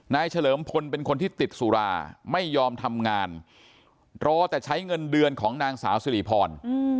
เฉลิมพลเป็นคนที่ติดสุราไม่ยอมทำงานรอแต่ใช้เงินเดือนของนางสาวสิริพร